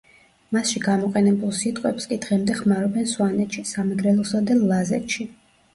მასში გამოყენებულ სიტყვებს კი დღემდე ხმარობენ სვანეთში, სამეგრელოსა და ლაზეთში.